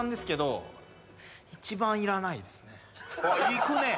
いくね。